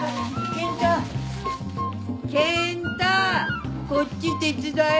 ケン太こっち手伝え。